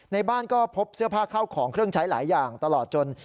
ในบ้านก็พบเสื้อผ้าเข้าของเครื่องใช้หลายอย่างตลอดจน